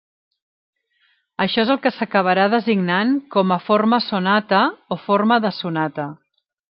Això és el que s'acabarà designant com a forma sonata o forma de sonata.